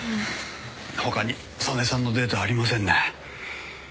他に曽根さんのデータありませんね。